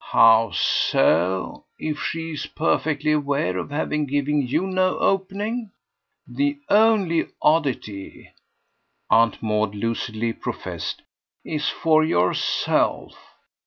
"How so, if she's perfectly aware of having given you no opening? The only oddity," Aunt Maud lucidly professed, "is for yourself.